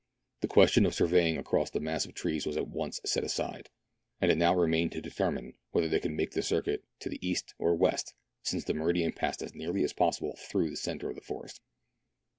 The question of surveying across the mass of trees was at once set aside, and it now remained to determine whether they should make the circuit to the east or the west, since the meridian passed as nearly as possible through the centre of the forest.